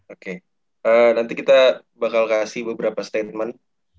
oke nanti kita bakal kasih beberapa statement